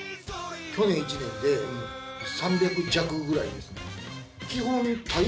去年１年で３００弱ぐらいですね。